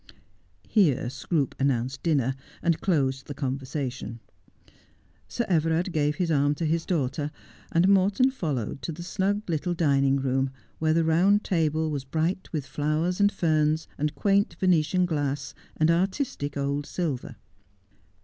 Here Scroope announced dinner, and closed the conversation. Sir Everard gave his arm to his daughter, and Morton followed to the snug little dining room, where the round table was bright with flowers and ferns, and quaint Venetian glass, and artistic old silver.